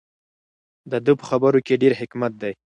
د ده په خبرو کې ډېر حکمت دی.